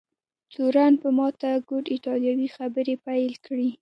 تورن په ماته ګوډه ایټالوي خبرې پیل کړې.